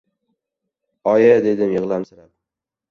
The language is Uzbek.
— Oyi-i-! — dedim yig‘lamsirab.